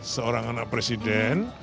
seorang anak presiden